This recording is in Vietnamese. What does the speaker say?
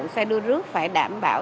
xe đưa rước phải đảm bảo